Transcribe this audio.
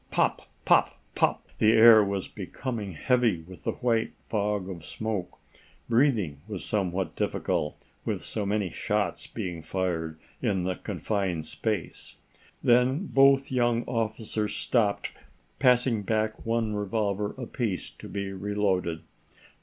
Pop pop pop! The air was becoming heavy with the white fog of smoke. Breathing was somewhat difficult, with so many shots being fired in the confined space. Then both young officers stopped, passing back one revolver apiece to be reloaded.